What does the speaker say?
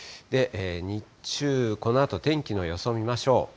日中、このあと天気の予想を見ましょう。